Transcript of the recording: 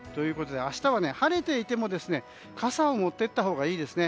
明日は晴れていても傘を持って行ったほうがいいです。